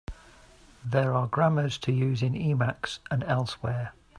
There are grammars to use in Emacs and elsewhere.